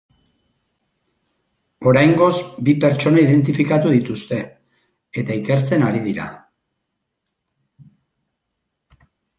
Oraingoz, bi pertsona identifikatu dituzte, eta ikertzen ari dira.